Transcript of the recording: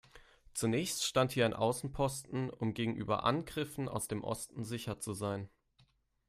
Zunächst stand hier ein Außenposten, um gegenüber Angriffen aus dem Osten sicher zu sein.